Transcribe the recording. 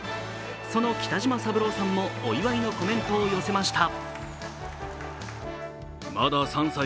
その北島三郎さんもお祝いのコメントを寄せました。